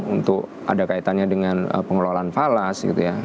untuk ada kaitannya dengan pengelolaan falas gitu ya